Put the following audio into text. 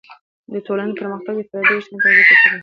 د ټولنې پرمختګ د فردي او اجتماعي تغذیې پورې تړلی دی.